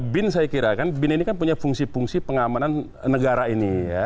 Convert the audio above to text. bin saya kira kan bin ini kan punya fungsi fungsi pengamanan negara ini ya